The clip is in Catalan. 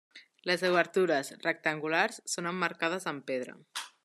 Les obertures, rectangulars, són emmarcades amb pedra.